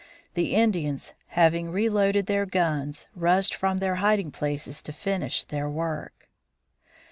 The Indians having reloaded their guns, rushed from their hiding places to finish their work.